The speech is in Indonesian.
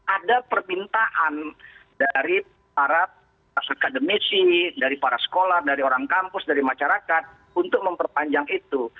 ada permintaan dari para akademisi dari para sekolah dari orang kampus dari masyarakat untuk memperpanjang itu